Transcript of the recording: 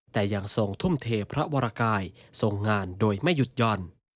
แต่ยังทรงทุ่มเทพระวรกายทรงงานโดยไม่หยุดหย่อน